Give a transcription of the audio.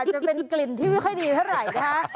จะเป็นกลิ่นที่ไม่ค่อยดีเท่าไหร่นะคะ